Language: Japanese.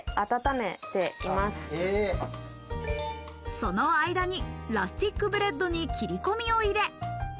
その間にラスティックブレッドに切り込みを入れ。